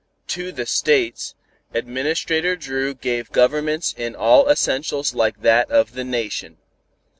To the States, Administrator Dru gave governments in all essentials like that of the nation.